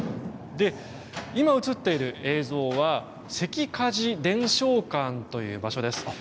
今、映っている映像は関鍛冶伝承館という場所です。